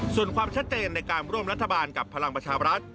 ส่วนความชัดเจนในการร่วมรัฐบาลกับพลังประชาบรัฐ